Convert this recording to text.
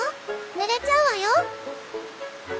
ぬれちゃうわよ！」。